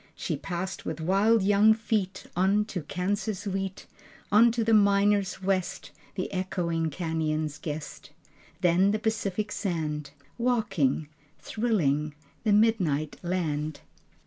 She passed with wild young feet On to Kansas wheat, On to the miners' west, The echoing cañons' guest, Then the Pacific sand, Waking, Thrilling, The midnight land....